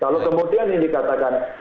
kalau kemudian ini dikatakan